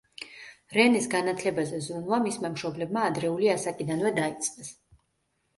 რენეს განათლებაზე ზრუნვა მისმა მშობლებმა ადრეული ასაკიდანვე დაიწყეს.